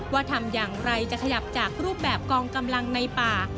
ทำอย่างไรจะขยับจากรูปแบบกองกำลังในป่า